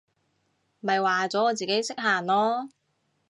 咪話咗我自己識行囉！